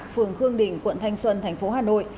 phường khương đình quận thanh xuân thành phố hà nội